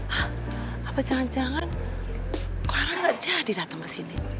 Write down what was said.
hah apa jangan jangan lara gak jadi datang ke sini